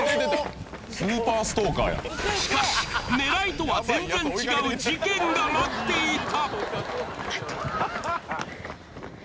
しかし狙いとは全然違う事ケンが待っていた！